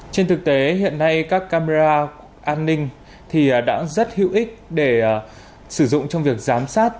trên thực tế hiện nay các camera an ninh đã rất hữu ích để sử dụng trong việc giám sát